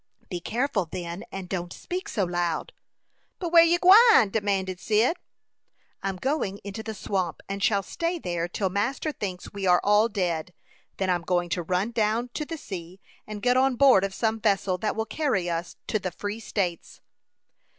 "Be careful then, and don't speak so loud." "But where you gwine?" demanded Cyd. "I'm going into the swamp, and shall stay there till master thinks we are all dead. Then I'm going to run down to the sea, and get on board of some vessel that will carry us to the free states."